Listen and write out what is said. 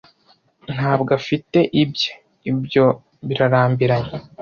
ntabwo afite ibye ibyo birarambiranye